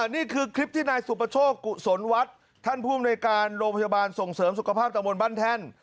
นี่คือคลิปที่นายสุประโชคกุศลวัฒน์ท่านผู้อำนวยการโรงพยาบาลส่งเสริมสุขภาพตะมนต์บ้านแท่น